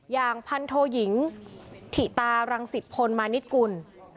อย่างพันโทยิงถิตารังสิตพลมานิดกุล